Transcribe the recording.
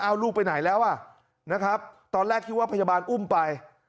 เอาลูกไปไหนตอนแรกคิดว่าพยาบาลอุ้มไป